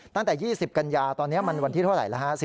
ตั้งแต่๒๐กันยาตอนนี้มันวันที่เท่าไหร่แล้วฮะ